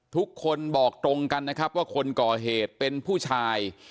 ทุกคนบอกตรงกันนะครับว่าคนก่อเหตุเป็นผู้ชาย